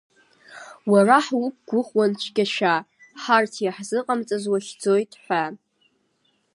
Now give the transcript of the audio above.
Уара ҳуқәгәыӷуан цәгьашәа, ҳарҭ иаҳзыҟамҵаз уахьӡоит, ҳәа…